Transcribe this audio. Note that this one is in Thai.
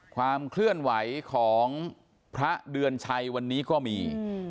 ความเคลื่อนไหวของพระเดือนชัยวันนี้ก็มี